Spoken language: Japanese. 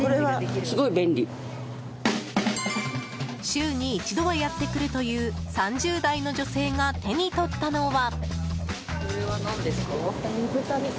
週に一度はやってくるという３０代の女性が手に取ったのは。